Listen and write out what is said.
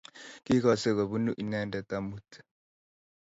kikose kobunu inendet amut